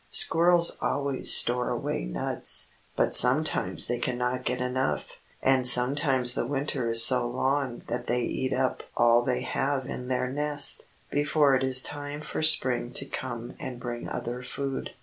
Squirrels always store away nuts, but sometimes they can not get enough, and sometimes the winter is so long that they eat up all they have in their nest, before it is time for spring to come and bring other food.